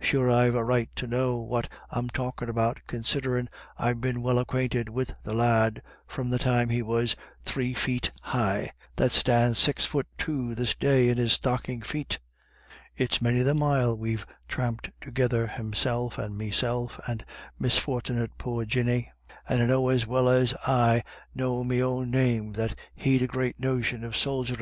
Sure, I've a right to know what I'm talkin' about, considerin' I've been well acquainted wid the lad from the time he was three feet high — that stands six fut two this day in his stockin' feet It's many the mile we've thramped togither, himself, and meself, and mis fortnit poor Jinny, and I know as well as I know me own name that he'd a great notion of soldierin'.